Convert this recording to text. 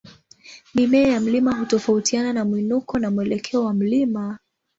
Mimea ya mlima hutofautiana na mwinuko na mwelekeo wa mlima.